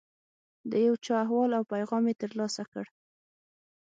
د یو چا احوال او پیغام یې ترلاسه کړ.